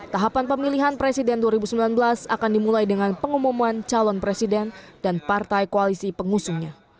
tahapan pemilihan presiden dua ribu sembilan belas akan dimulai dengan pengumuman calon presiden dan partai koalisi pengusungnya